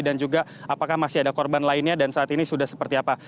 dan juga apakah masih ada korban lainnya dan saat ini sudah seperti apa